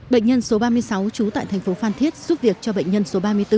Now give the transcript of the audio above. bệnh nhân số ba mươi sáu trú tại thành phố phan thiết giúp việc cho bệnh nhân số ba mươi bốn